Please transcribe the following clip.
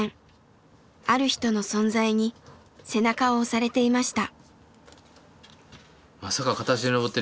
ある人の存在に背中を押されていました。